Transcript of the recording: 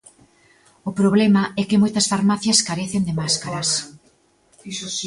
O problema é que moitas farmacias carecen de máscaras.